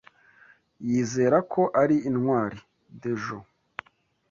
Yizera ko ari intwari. (Dejo)